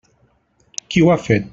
Qui ho ha fet?